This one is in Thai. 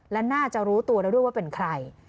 และน่าจะรู้ตัวแล้วด้วยว่าเป็นใคร